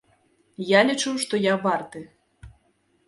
Я лічу, што я варты.